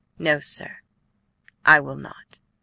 "No, sir; I will not."